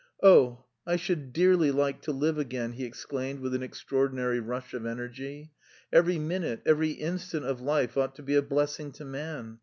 "Oh, I should dearly like to live again!" he exclaimed with an extraordinary rush of energy. "Every minute, every instant of life ought to be a blessing to man...